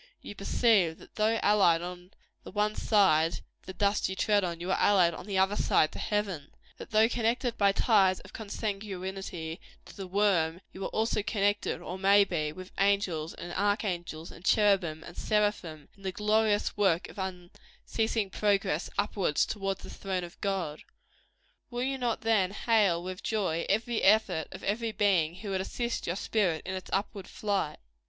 You perceive that, though allied on the one side to the dust you tread on, you are allied on the other side to heaven; that though connected by ties of consanguinity to the worm you are also connected, or may be, with angels and archangels, and cherubim and seraphim, in the glorious work of unceasing progress upward toward the throne of God. Will you not, then, hail with joy, every effort of every being who would assist your spirit in its upward flight?